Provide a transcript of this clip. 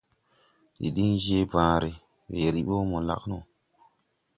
Ndi din je bããre, weere bi wɔ mo lag no.